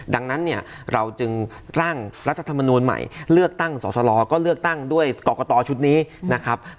ดังนั้นเนี่ยเราจึงร่างรัฐธรรมนูลใหม่เลือกตั้งสอสลก็เลือกตั้งด้วยกรกตชุดนี้นะครับ